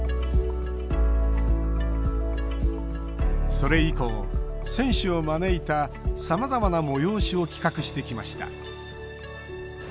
それ以降、選手を招いたさまざまな催しを企画してきました。